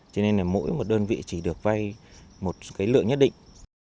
cho nên là mỗi một đơn vị chỉ được vay một cái lượng nhất định